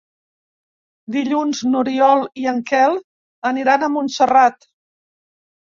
Dilluns n'Oriol i en Quel aniran a Montserrat.